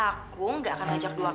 aku gak akan ajak dua orang